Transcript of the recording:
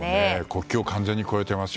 国境完全に越えてます。